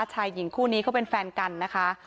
ชายหญิงคู่นี้เขาเป็นแฟนกันนะคะ